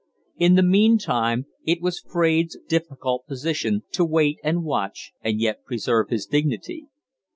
In the mean time it was Fraide's difficult position to wait and watch and yet preserve his dignity.